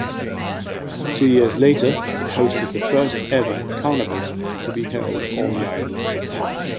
Two years later, it hosted the first-ever carnival to be held on the island.